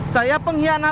saya pengkhianat apa